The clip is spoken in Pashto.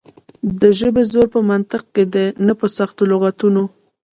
د ژبې زور په منطق کې دی نه په سختو لغتونو.